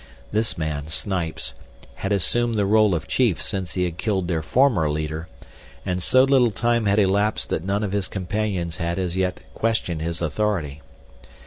This man, Snipes, had assumed the role of chief since he had killed their former leader, and so little time had elapsed that none of his companions had as yet questioned his authority.